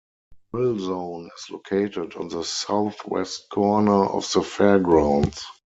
Thrill Zone is located on the southwest corner of the Fairgrounds.